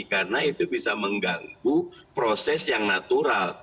karena itu bisa mengganggu proses yang natural